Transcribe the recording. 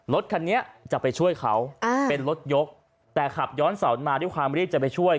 รถคันนี้จะไปช่วยเขาเป็นรถยกแต่ขับย้อนสอนมาด้วยความรีบจะไปช่วย